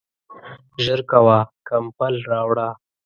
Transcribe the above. ژر کوه ، کمپل راوړه !